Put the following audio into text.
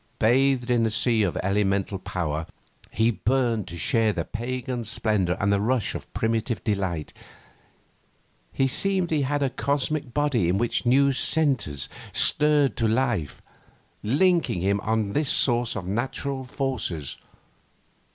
Bathed in a sea of elemental power, he burned to share the pagan splendour and the rush of primitive delight. It seemed he had a cosmic body in which new centres stirred to life, linking him on to this source of natural forces.